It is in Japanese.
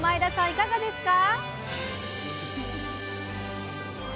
いかがですか？